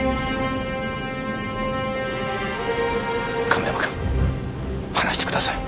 亀山くん離してください。